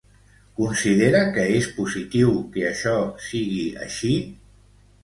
Considera que és positiu que això sigui així?